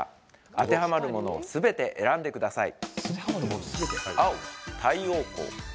当てはまるものをすべて選んでください。